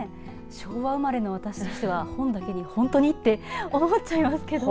昭和生まれの私としては本だけに本当にと思っちゃいますけどね。